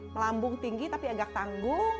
melambung tinggi tapi agak tanggung